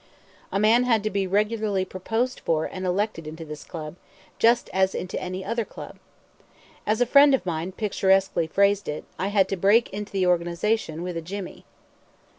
A man had to be regularly proposed for and elected into this club, just as into any other club. As a friend of mine picturesquely phrased it, I "had to break into the organization with a jimmy."